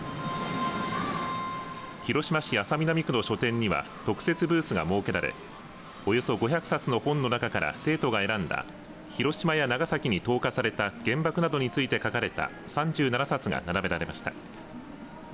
広島市安佐南区の書店には特設ブースが設けられおよそ５００冊の本の中から生徒が選んだ広島や長崎に投下された原爆などについて書かれた３７冊が並べられました。